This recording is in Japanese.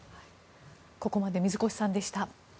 ここまで水越さんでした。